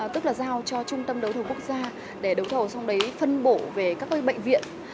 tức là giao cho trung tâm đấu thầu quốc gia để đấu thầu xong đấy phân bổ về các bệnh viện